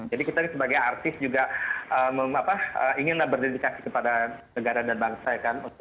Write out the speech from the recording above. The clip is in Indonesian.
jadi kita sebagai artis juga ingin berdedikasi kepada negara dan bangsa ya kan